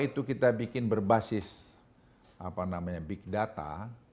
itu kita bikin berbasis apa namanya big data